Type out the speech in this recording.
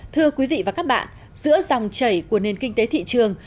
thưa quý vị và các bạn giữa dòng chảy của nền kinh tế thị trường